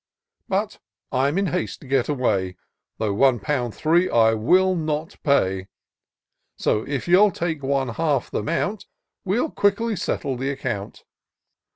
But, I'm in haste to get away, Though one pound three I will not pay : So, if you'll take one half th' amount, We'll quickly settle the account.